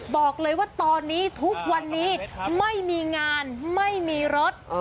บอกเลยว่าตอนนี้ทุกวันนี้ไม่มีงานไม่มีรถ